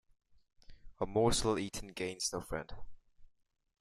A morsel eaten gains no friend.